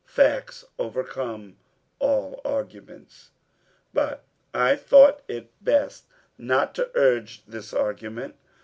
Facts overcome all arguments. But I thought it best not to urge this argument.